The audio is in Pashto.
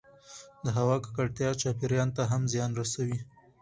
د هـوا کـکړتـيا چاپـېريال ته هم زيان رسـوي